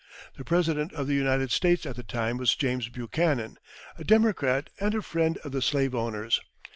The President of the United States at the time was James Buchanan, a Democrat and a friend of the slave owners.